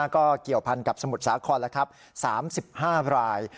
ก็เกี่ยวพันกับสมุทรสาครแล้วครับ๓๕ราย